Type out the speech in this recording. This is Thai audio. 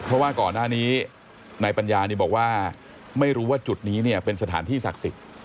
เพราะว่าก่อนหน้านี้นายปัญญานี่บอกว่าไม่รู้ว่าจุดนี้เนี่ยเป็นสถานที่ศักดิ์สิทธิ์